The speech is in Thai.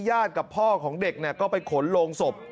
กับพ่อของเด็กก็ไปขนโรงศพ